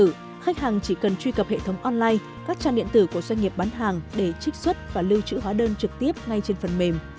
trước đó khách hàng chỉ cần truy cập hệ thống online các trang điện tử của doanh nghiệp bán hàng để trích xuất và lưu trữ hóa đơn trực tiếp ngay trên phần mềm